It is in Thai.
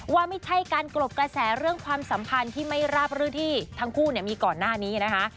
ว่าไม่ใช่การกรบกระแสเรื่องความสัมพันธ์ที่ไม่ราบรื่นที่ทั้งคู่มีก่อนหน้านี้นะคะ